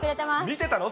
見てたの？